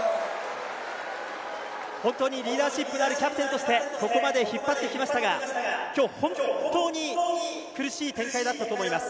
本当にリーダーシップのあるキャプテンとしてここまで引っ張ってきましたが今日本当に苦しい展開だったと思います。